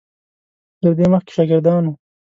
تر دې مخکې شاګردان وو.